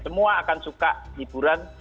semua akan suka hiburan